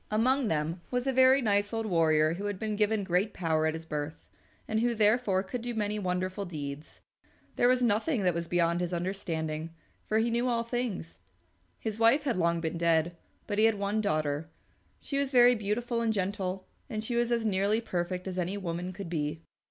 Among them was a very nice old warrior who had been given great power at his birth, and who, therefore, could do many wonderful deeds. There was nothing that was beyond his understanding, for he knew all things. His wife had long been dead, but he had one daughter. She was very beautiful and gentle, and she was as nearly perfect as any woman could be.